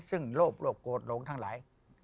ซึ่งโลบโลกโกดโหดโหลงทั้งหลาย